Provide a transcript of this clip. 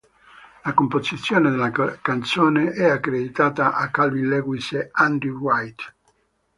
La composizione della canzone è accreditata a Calvin Lewis e Andrew Wright.